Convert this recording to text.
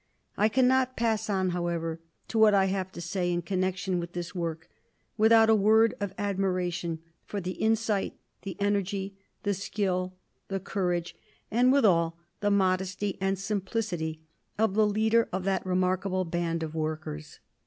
I cannot pass on, however, to what I have to say in connection with this work without a word of admiration for the insight, the energy, the skill, the courage, and withal the modesty and simplicity of the leader of that remarkable band of workers.